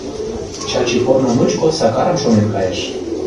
Чачи корно мучко Сакарым шонен кайыш.